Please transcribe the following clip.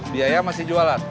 biaya masih jualan